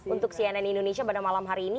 untuk cnn indonesia pada malam hari ini